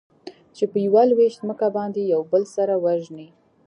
چې په يوه لوېشت ځمکه باندې يو بل سره وژني.